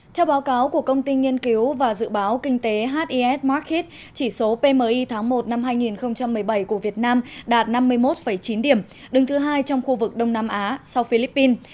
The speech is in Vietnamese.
theo báo cáo của công ty nghiên cứu và dự báo kinh tế his morket chỉ số pmi tháng một năm hai nghìn một mươi bảy của việt nam đạt năm mươi một chín điểm đứng thứ hai trong khu vực đông nam á sau philippines